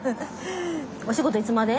お仕事いつまで？